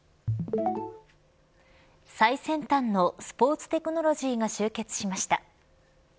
最先端のスポーツテクノロジーが集結しました。